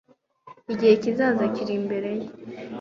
Igihe kizaza kiri imbere ye